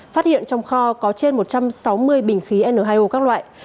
phát hiện trong kho có trên một trăm sáu mươi bình khí n hai o các loại